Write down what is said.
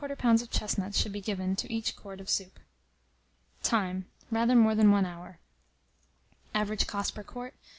of chestnuts should be given to each quart of soup. Time. rather more than 1 hour. Average cost per quart, 1s.